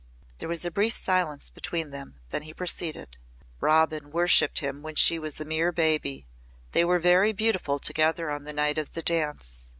There was a brief silence between them; then he proceeded. "Robin worshipped him when she was a mere baby. They were very beautiful together on the night of the dance.